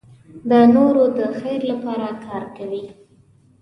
د نورو د خیر لپاره کار کوي.